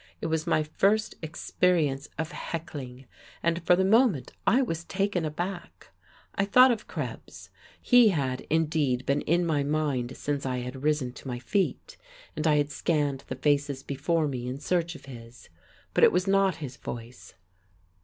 It was my first experience of heckling, and for the moment I was taken aback. I thought of Krebs. He had, indeed, been in my mind since I had risen to my feet, and I had scanned the faces before me in search of his. But it was not his voice.